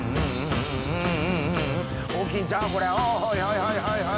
おはいはいはいはい。